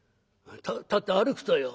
「立って歩くとよ。